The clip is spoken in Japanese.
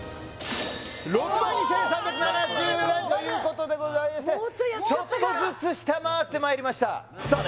６２３７０円ということでございましてちょっとずつ下回ってまいりましたさあ